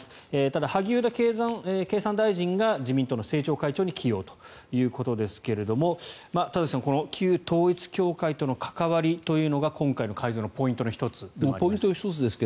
ただ萩生田経産大臣が自民党の政調会長に起用ということですが田崎さん、旧統一教会との関わりというのが今回の改造のポイントの１つでもあります。